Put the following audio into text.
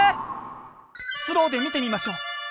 スローで見てみましょう。